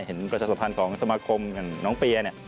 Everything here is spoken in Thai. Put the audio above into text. เห็นกระชาสมัครต่างอย่างน้องเปีย